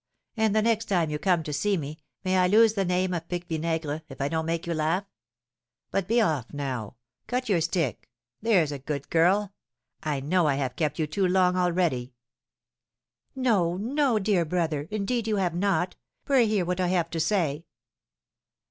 And the next time you come to see me, may I lose the name of Pique Vinaigre if I don't make you laugh! But be off now; cut your stick, there's a good girl! I know I have kept you too long already." "No, no, dear brother, indeed you have not. Pray hear what I have to say!"